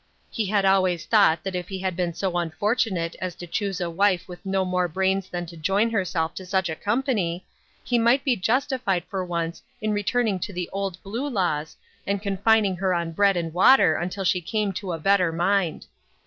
He had always thought that if he had been so unfortu nate as to choose a wife with no more brains than to join herself to such a company, he might be justified for once in returning to the old Blue Laws, and confining her on bread and water until she came to a better mind.